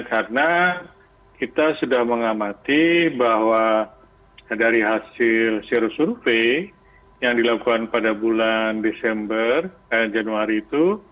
karena kita sudah mengamati bahwa dari hasil seri survei yang dilakukan pada bulan januari itu